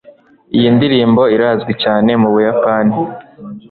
Iyi ndirimbo irazwi cyane mu Buyapani.